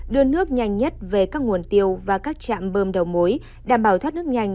đưa nước nhanh nhất về các nguồn tiêu và các trạm bơm đầu mối đảm bảo thoát nước nhanh